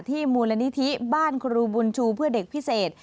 มูลนิธิบ้านครูบุญชูเพื่อเด็กพิเศษ